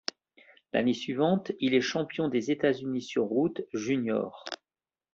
L'année suivante, il est champion des États-Unis sur route juniors.